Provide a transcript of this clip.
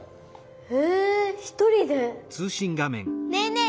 ねえねえ